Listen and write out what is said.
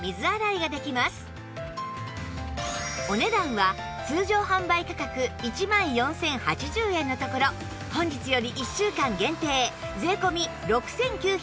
お値段は通常販売価格１万４０８０円のところ本日より１週間限定税込６９８０円